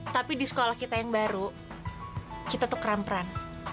tapi di sekolah kita yang baru kita tukeran peran